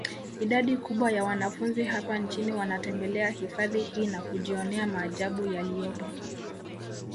Idadi kubwa ya wanafunzi hapa nchini wanatembelea hifadhi hii na kujionea maajabu yaliyopo